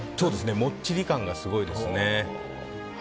もっちり感がすごいですね。